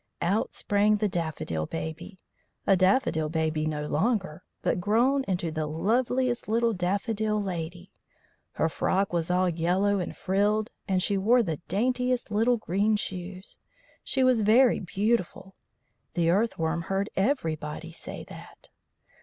Out sprang the Daffodil Baby a Daffodil Baby no longer, but grown into the loveliest little Daffodil Lady. Her frock was all yellow and frilled, and she wore the daintiest little green shoes. She was very beautiful. The Earth worm heard everybody say that.